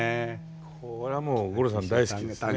これはもう五郎さん大好きですね。